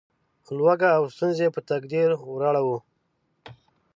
لوږه او ستونزې په تقدیر وراړوو.